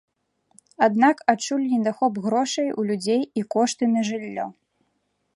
Аднак адчулі недахоп грошай у людзей і кошты на жыллё.